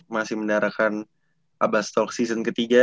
masih mendarakan abastol season ketiga